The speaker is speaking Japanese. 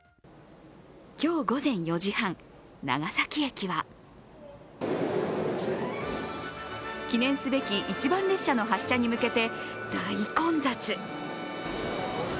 今日午前４時半、長崎駅は記念すべき一番列車の発車に向けて大混雑。